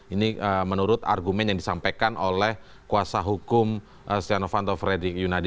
ini menurut argumen yang disampaikan oleh kuasa hukum setia novanto fredrik yunadi